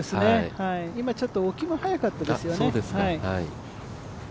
今のはちょっと置きも早かったですよね。